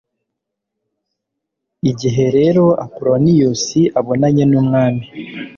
igihe rero apoloniyusi abonanye n'umwami